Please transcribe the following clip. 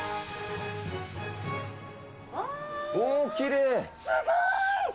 おー、きれい。